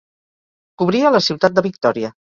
Cobria la ciutat de Victòria.